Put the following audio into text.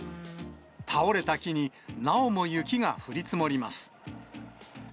倒れた木に、なおも雪が降り積もります。